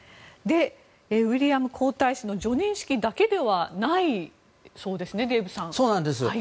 ウィリアム皇太子の叙任式だけではないそうですね。